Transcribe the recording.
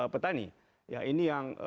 petani ya ini yang